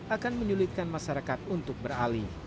akan menyulitkan masyarakat untuk beralih